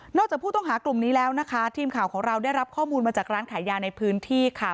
จากผู้ต้องหากลุ่มนี้แล้วนะคะทีมข่าวของเราได้รับข้อมูลมาจากร้านขายยาในพื้นที่ค่ะ